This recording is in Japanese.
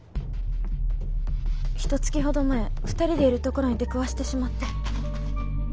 ひとつきほど前２人でいるところに出くわしてしまって。